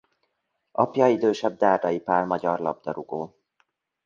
Apja idősebb Dárdai Pál magyar labdarúgó.